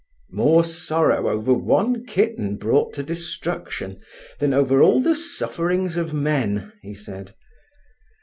"More sorrow over one kitten brought to destruction than over all the sufferings of men," he said.